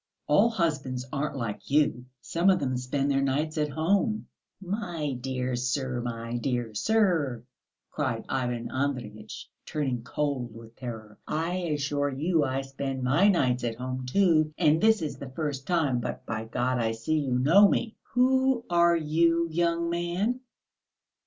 All husbands aren't like you. Some of them spend their nights at home." "My dear sir, my dear sir!" cried Ivan Andreyitch, turning cold with terror, "I assure you I spend my nights at home too, and this is the first time; but, my God, I see you know me. Who are you, young man?